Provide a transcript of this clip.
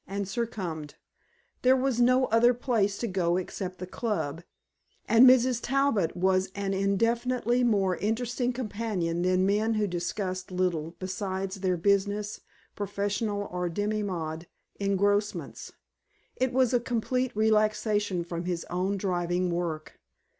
and succumbed. There was no other place to go except the Club, and Mrs. Talbot was an infinitely more interesting companion than men who discussed little besides their business, professional, or demi monde engrossments. It was a complete relaxation from his own driving work.